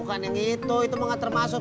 bukan yang itu itu mau gak termasuk